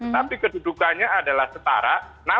tapi kedudukannya adalah setara